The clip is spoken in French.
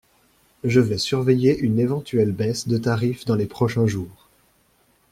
Je vais surveiller une éventuelle baisse de tarif dans les prochains jours.